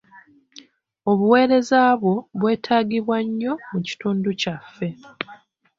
Obuweereza bwo bwetaagibwa nnyo mu kitundu kyaffe.